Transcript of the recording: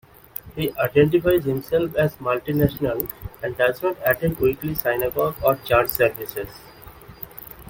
He identifies himself as multi-national and does not attend weekly synagogue or church services.